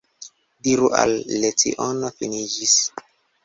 Diru: La leciono finiĝis.